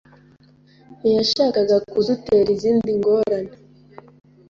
ntiyashakaga kudutera izindi ngorane.